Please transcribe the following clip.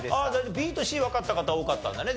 ＢとＣわかった方多かったんだね。